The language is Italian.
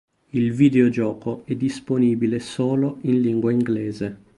Il videogioco è disponibile solo in lingua inglese.